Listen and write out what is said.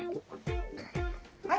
はい。